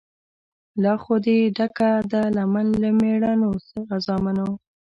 لا خو دي ډکه ده لمن له مېړنو زامنو